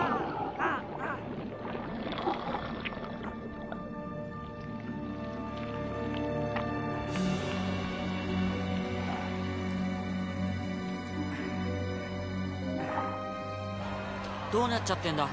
あっあっどうなっちゃってんだ？